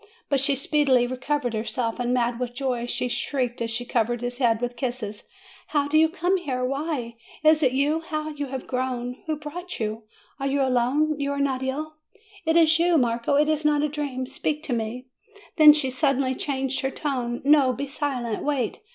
But she speedily recovered herself, and mad with joy, she shrieked as she covered his head with kisses : 'How do you come here? Why? Is it you? How you have grown ! Who brought you ? Are you alone? You are not ill? It is you, Marco! It is not a dream! Speak to me!" Then she suddenly changed her tone: "No! Be silent! Wait!"